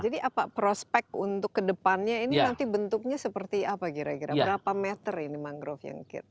apa prospek untuk kedepannya ini nanti bentuknya seperti apa kira kira berapa meter ini mangrove yang